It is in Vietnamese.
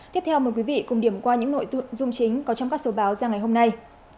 tiếp theo mời quý vị cùng điểm qua những nội dung chính có trong các số báo ra ngày hôm nay